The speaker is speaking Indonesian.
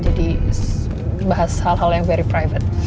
jadi bahas hal hal yang very private